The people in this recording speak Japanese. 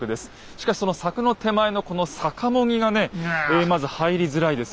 しかしその柵の手前のこのさかも木がねまず入りづらいです。